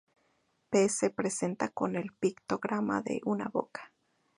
Pe se representa con el pictograma de una boca.